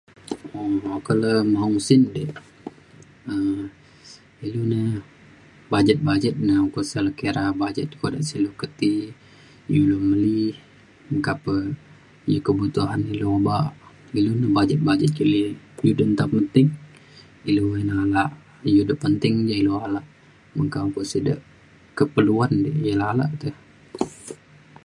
um Oka le maung sin dik um ilu ne budget budget na ukok sik le kira budget kodak sik le ke ti, iu ilu meli meka pe iu kebutuhan ilu obak. Ilu ne budget budget meli e. Iu je nta penting, ilu ayen alak. Iu da penting ja ilu alak. Meka. Oka sik de keperluan dik, ya le alak te.